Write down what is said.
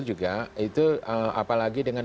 juga itu apalagi dengan